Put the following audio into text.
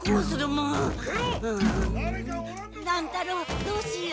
乱太郎どうしよう？